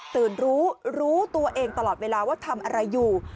รู้รู้ตัวเองตลอดเวลาว่าทำอะไรอยู่